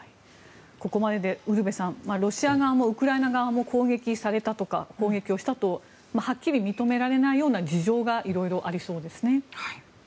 ここまででウルヴェさんロシア側もウクライナ側も攻撃されたとか攻撃をしたとはっきり認められないような事情が色々ありそうですね。